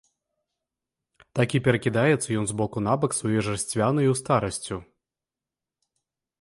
Так і перакідаецца ён з боку на бок сваёй жарсцвянаю старасцю.